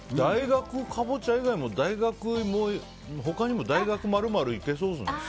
大学カボチャ以外も大学芋、他にも大学○○いけそうですね。